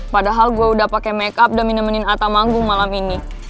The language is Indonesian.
padahal gue udah pake makeup dan minemin atta manggung malam ini